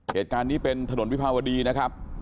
เหตุการณ์นี้เป็นถนนวิภาวดีนะครับ